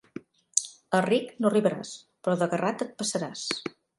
A ric no arribaràs, però d'agarrat et passaràs.